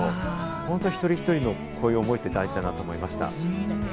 本当、一人一人のこういう思いって大事だなと思いました。